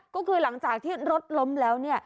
ก็คือหลังจากที่รถล้มแล้วเนี่ย